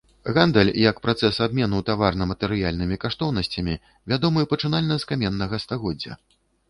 Гандаль, як працэс абмену таварна-матэрыяльнымі каштоўнасцямі, вядомы пачынальна з каменнага стагоддзя.